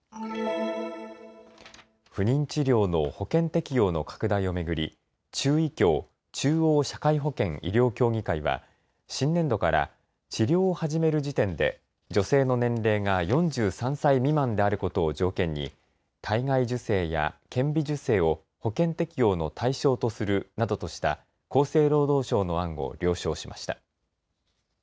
不妊治療の保険適用の拡大を巡り中医協・中央社会保険医療協議会は新年度から治療を始める時点で女性の年齢が４３歳未満であることを条件に体外受精や顕微授精を保険適用の対象とするなどとした厚生労働省の案を了承しました。